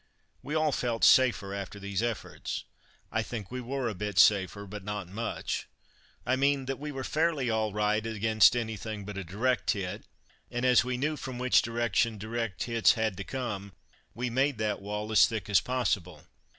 We all felt safer after these efforts. I think we were a bit safer, but not much. I mean that we were fairly all right against anything but a direct hit, and as we knew from which direction direct hits had to come, we made that wall as thick as possible.